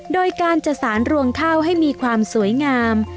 โดยการจัดสารรวงข้าวให้มีความสวยงาม